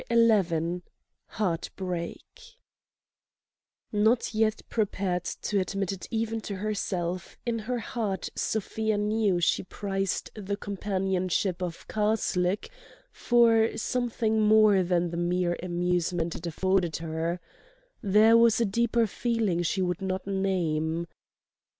XI HEARTBREAK Not yet prepared to admit it even to herself, in her heart Sofia knew she prized the companionship of Karslake for something more than the mere amusement it afforded her: there was a deeper feeling she would not name.